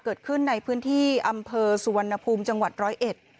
เกิดขึ้นในพื้นที่อำเภอสุวรรณภูมิจังหวัดร้อยเอ็ด